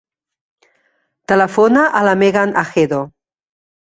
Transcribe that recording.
Telefona a la Megan Ahedo.